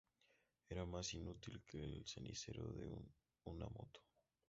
Era más inútil que el cenicero de una moto